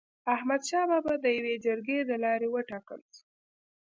احمد شاه بابا د يوي جرګي د لاري و ټاکل سو.